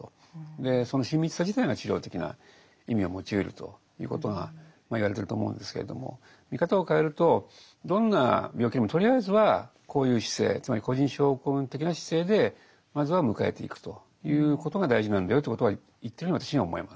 でその親密さ自体が治療的な意味を持ちうるということが言われてると思うんですけれども見方を変えるとどんな病気でもとりあえずはこういう姿勢つまり個人症候群的な姿勢でまずは迎えていくということが大事なんだよということを言ってるように私には思えます。